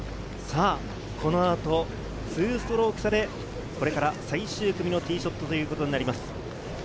この後、２ストローク差でこれから最終組のティーショットということになります。